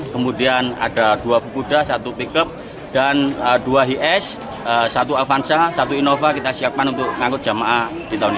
kemudian ada dua kuda satu pickup dan dua hies satu avanza satu innova kita siapkan untuk menganggut jamaah di tahun ini